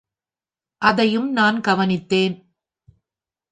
அதையும் நான் கவனித்தேன்.